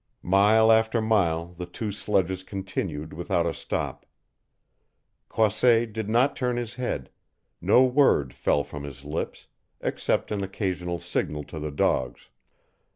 Mile after mile the two sledges continued without a stop. Croisset did not turn his head; no word fell from his lips, except an occasional signal to the dogs.